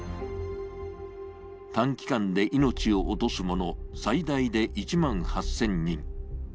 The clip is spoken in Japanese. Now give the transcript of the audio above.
短期間で命を落とす者、最大で１万８０００人。